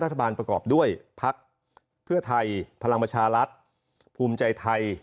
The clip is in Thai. รัฐบาลประกอบด้วยพักเพื่อไทยพลังประชารัฐภูมิใจไทย